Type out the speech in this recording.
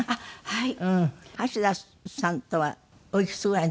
はい。